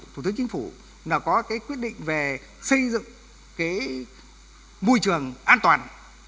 thủ tướng chính phủ có quyết định về xây dựng môi trường an toàn